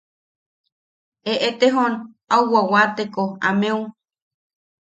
Eʼetejon au wawateko ameu...